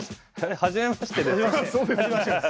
はじめましてです。